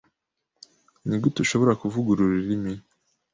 Nigute ushobora kuvuga uru rurimi?